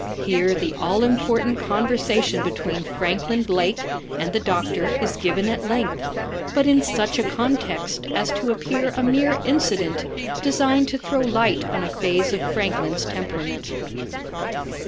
Here the all important conversation between Franklyn Blake and the doctor is given at length, but in such a context as to appear a mere incident designed to throw light on a phase of Franklyn's temperament."